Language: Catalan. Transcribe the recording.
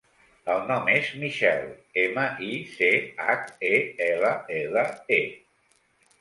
El nom és Michelle: ema, i, ce, hac, e, ela, ela, e.